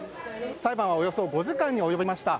裁判はおよそ５時間に及びました。